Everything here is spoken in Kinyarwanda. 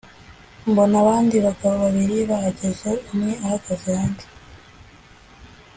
mbona abandi bagabo babiri bahagaze umwe ahagaze hanze